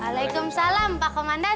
waalaikumsalam pak komandan